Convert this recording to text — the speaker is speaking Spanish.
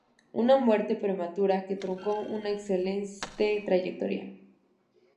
Una muerte prematura que truncó una excelente trayectoria.